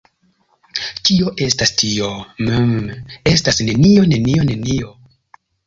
Kio estas tio? Mmm estas nenio, nenio, nenio...